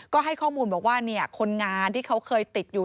ก็ให้ข้อมูลบอกว่าคนงานที่เขาเคยติดอยู่